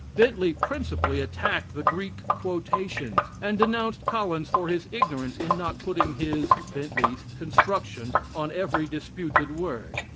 Bentley principally attacked the Greek quotations and denounced Collins for his ignorance in not putting his (Bentley's) construction on every disputed word.